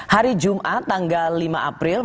hari jumat tanggal lima april